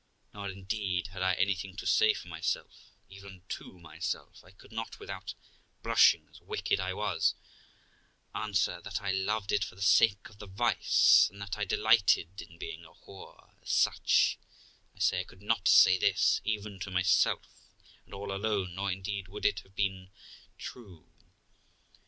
Nor indeed had I anything to say for myself, even to myself; I could not without blushing, as wicked as I was, answer that I loved it for the sake of the vice, and that I delighted in being a whore, as such; I say, I could not say this, even to myself, and all alone, nor indeed would it have been true.